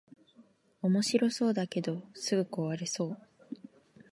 おもしろそうだけどすぐ壊れそう